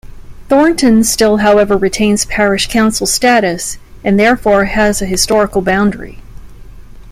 Thornton still however retains Parish Council status and therefore has a historical boundary.